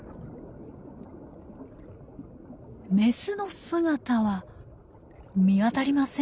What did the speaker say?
メスの姿は見当たりません。